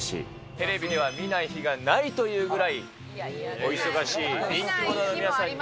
テレビでは見ない日がないというぐらい、お忙しい人気者の皆さんに。